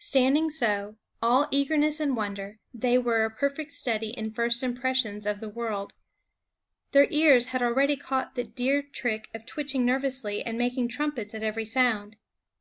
Standing so, all eagerness and wonder, they were a perfect study in first impressions of the world. Their ears had already caught the deer trick of twitching nervously and making trumpets at every sound.